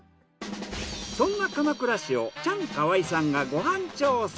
そんな鎌倉市をチャンカワイさんがご飯調査。